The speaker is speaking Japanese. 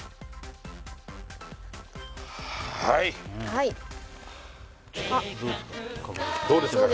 はいどうですか？